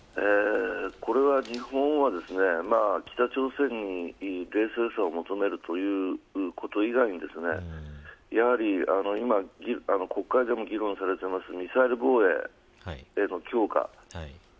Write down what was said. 日本は北朝鮮に冷静さを求めるということ以外は国会でも議論されているミサイル防衛、強化